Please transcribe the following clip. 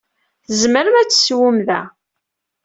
Tzemrem ad tessewwem da.